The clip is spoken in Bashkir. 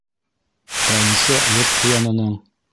Әлисә Йорт ҡуянының: